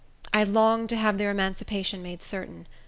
I longed to have their emancipation made certain.